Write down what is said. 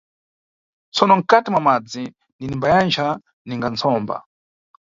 Tsono mkati mwa madzi ndinimbayancha ninga tsomba!